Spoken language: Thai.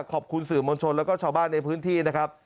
ขอบคุณสื่อมวลชนแล้วก็ชาวบ้านในพื้นที่นะครับ